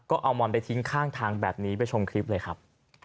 ก็เอามอนไปทิ้งข้างทางแบบนี้ไปชมคลิปเลยครับ